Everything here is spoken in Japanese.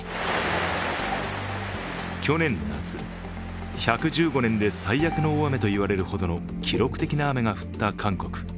去年夏、１１５年で最悪の大雨と言われるほどの記録的な雨が降った韓国。